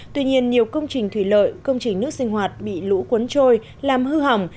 tuy nhiên nhiều công trình thủy lợi công trình nước sinh hoạt bị lũ cuốn trôi làm hư hỏng